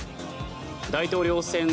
大統領選